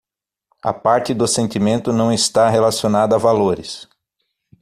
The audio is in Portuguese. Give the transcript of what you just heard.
A parte do sentimento não está relacionada a valores